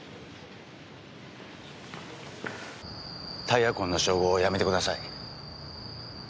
タイヤ痕の照合をやめてください。